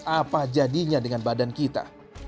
apa jadinya dengan badan kita